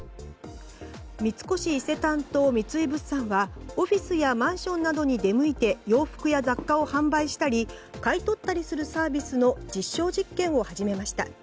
三越伊勢丹と三井物産はオフィスやマンションなどに出向いて洋服や雑貨を販売したり買い取ったりするサービスの実証実験を始めました。